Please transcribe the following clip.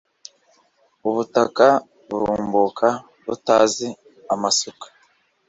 ubutaka burumbuka butazi amasuka